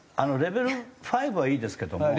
レベル５はいいですけども。